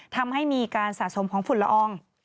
ทำให้มีการสะสมของฝุ่นละออง